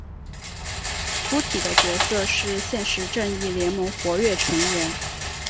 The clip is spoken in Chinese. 粗体的角色是现时正义联盟活跃成员。